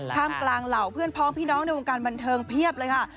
ท่ามกลางเหล่าเพื่อนพ้องพี่น้องในวงการบันเทิงเพียบเลยค่ะ